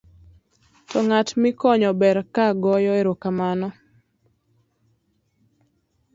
to ng'at mikonyo ber ga goyo erokamano